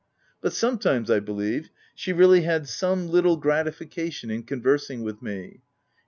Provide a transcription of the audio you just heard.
But sometimes, I believe, she really had some little gratification in conversing with me ; and OF WILDFELL HALL.